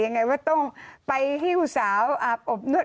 ยังไงว่าต้องไปให้หุ่นสาวอบนุษย์